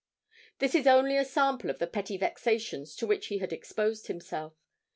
This is only a sample of the petty vexations to which he had exposed himself.